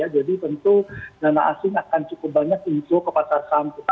jadi tentu dana asing akan cukup banyak info ke pasar saham kita